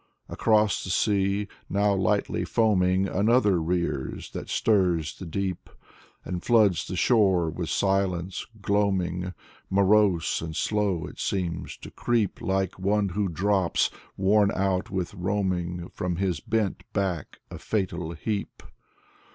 Across the sea, now lightly foaming. Another rears, that stirs the deep. And floods the shore with silence, gloaming; Morose and slow it seems to creep Like one who drops, worn out with roaming. From his bent back a fatal heap.